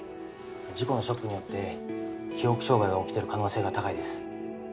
事故のショックによって記憶障害が起きている可能性が高いです。